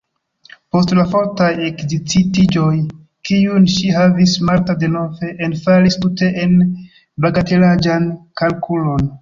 Post la fortaj ekscitiĝoj, kiujn ŝi havis, Marta denove enfalis tute en bagatelaĵan kalkulon.